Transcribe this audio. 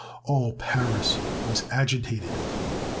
All Paris was agitated.